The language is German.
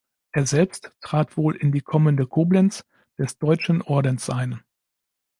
Er selbst trat wohl in die Kommende Koblenz des Deutschen Ordens ein.